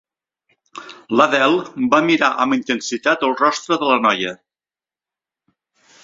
L'Adele va mirar amb intensitat el rostre de la noia.